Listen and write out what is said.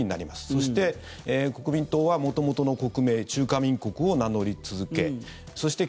そして、国民党は元々の国名中華民国を名乗り続けそして